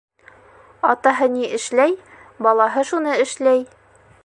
Атаһы ни эшләй, балаһы шуны эшләй.